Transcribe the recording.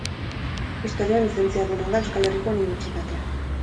Historian lizentziaduna da Euskal Herriko Unibertsitatean.